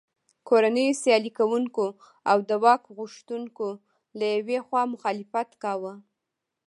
کورنیو سیالي کوونکو او د واک غوښتونکو له یوې خوا مخالفت کاوه.